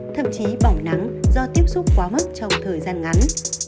thậm chí bỏng nắng do tiếp xúc quá mắt trong thời gian ngắn